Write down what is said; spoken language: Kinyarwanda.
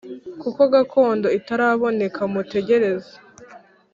Kuko gakondo itaraboneka mutegereze